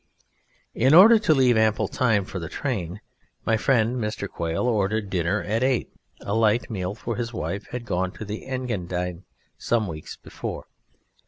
In order to leave ample time for the train, my friend Mr. Quail ordered dinner at eight a light meal, for his wife had gone to the Engadine some weeks before.